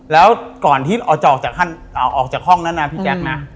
แล้วก่อนที่ออกจากห้องนั้นนะพี่แจ๊คนะ